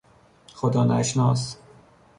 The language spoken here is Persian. خدا نشناس